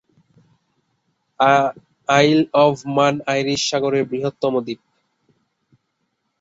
আইল of Man Irish সাগরের বৃহত্তম দ্বীপ।